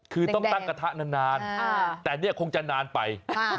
คือต้องตั้งกระทะนานแต่เนี่ยคงจะนานไป